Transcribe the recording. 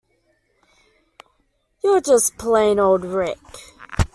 You're just plain old Rick!